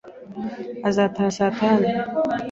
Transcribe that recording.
Azataha saa tanu?